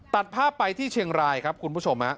ตัดภาพไปที่เชียงรายครับคุณผู้ชม